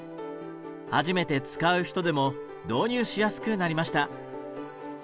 初めて使う人でも導入しやすくなりました。